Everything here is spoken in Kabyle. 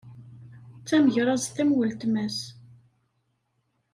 D tamegraẓt am weltma-s.